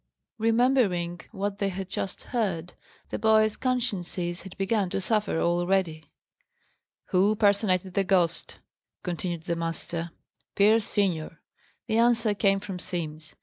Remembering what they had just heard, the boys' consciences had begun to suffer already. "Who personated the ghost?" continued the master. "Pierce senior." The answer came from Simms.